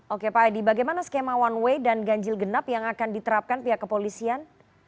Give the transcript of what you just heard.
oke pak edi bagaimana skema one way dan ganjil genap yang akan diterapkan pihak kepolisian